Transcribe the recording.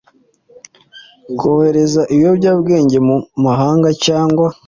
kohereza ibiyobyabwenge mu mahanga cyangwa